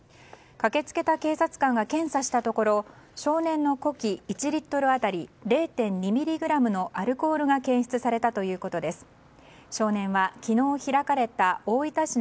駆けつけた警察官が検査したところ少年の呼気１リットル当たり０．２ミリグラムのアルコールが検出されたということです。